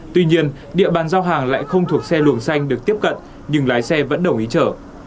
tuy nhiên địa bàn giao hàng lại không thuộc xe luồng xanh được tiếp cận nhưng lái xe vẫn đồng ý chở